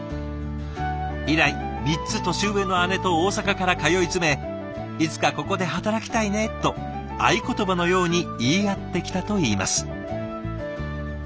以来３つ年上の姉と大阪から通い詰め「いつかここで働きたいね」と合言葉のように言い合ってきたといいます。